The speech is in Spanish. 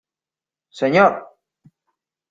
¡ señor!